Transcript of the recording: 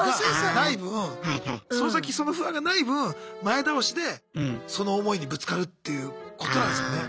がない分その先その不安がない分前倒しでその思いにぶつかるっていうことなんすかね。